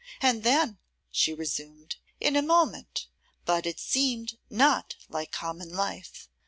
'And then,' she resumed, 'in a moment; but it seemed not like common life.